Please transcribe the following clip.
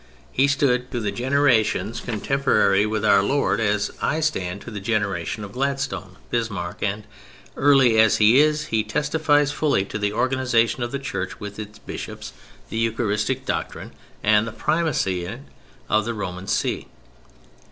He stood to the generations contemporary with Our Lord as I stand to the generation of Gladstone, Bismarck, and, early as he is, he testifies fully to the organization of the Church with its Bishops, the Eucharistic Doctrine, and the Primacy in it of the Roman See.